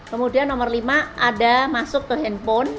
kemudian nomor lima ada masuk ke handphone